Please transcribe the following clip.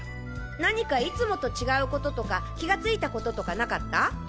何かいつもと違うこととか気がついたこととかなかった？